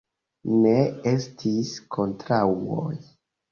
Ne estis kontraŭoj.